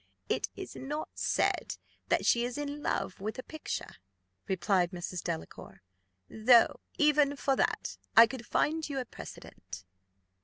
"It is not said that she is in love with a picture," replied Mrs. Delacour, "though even for that I could find you a precedent."